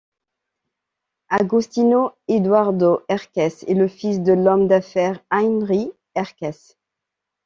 Agostino Edoardo Erkes est le fils de l'homme d'affaires Heinrich Erkes.